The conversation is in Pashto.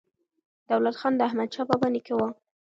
دولت خان د احمدشاه بابا نیکه و.